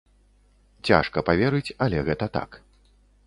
Цяжка паверыць, але гэта так.